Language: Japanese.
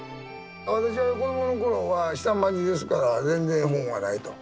私は子どもの頃は下町ですから全然本はないと。